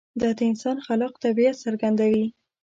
دا د انسان خلاق طبیعت څرګندوي.